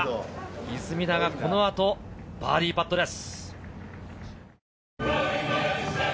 出水田がこのあとバーディーパットです。